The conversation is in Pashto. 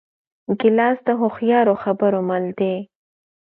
ګیلاس د هوښیارو خبرو مل دی.